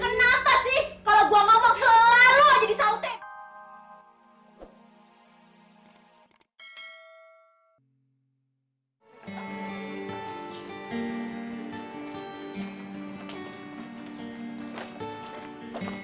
kenapa sih kalo gua ngomong selalu aja di sautek